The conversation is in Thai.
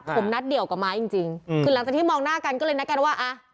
ผมนัดเดี่ยวกับไม้จริงจริงคือหลังจากที่มองหน้ากันก็เลยนัดกันว่าอ่ะ